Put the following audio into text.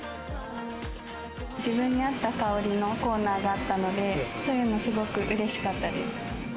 自分に合った香りのコーナーがあったので、そういうの、すごくうれしかったです。